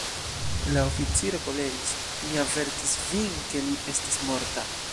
La oficiro koleris: “Mi avertis vin, ke li estas morta!